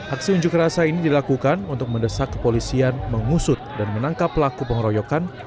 aksi unjuk rasa ini dilakukan untuk mendesak kepolisian mengusut dan menangkap pelaku pengeroyokan